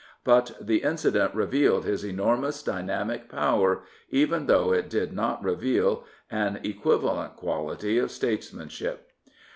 But the incident revealed his enormous dynamic power even though it did not reveal an equivalent quality of statesmanship.